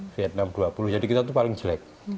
vietnam dua puluh jadi kita itu paling jelek